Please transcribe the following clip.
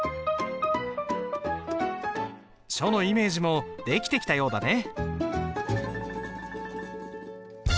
書のイメージも出来てきたようだね。